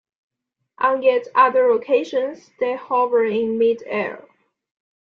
On yet other occasions, they hover in mid-air.